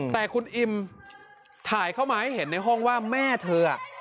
แต่คุณอิมถ่ายเข้ามาให้เห็นในห้องว่าแม่เธอ